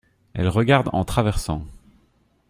Elle regarde en traversant.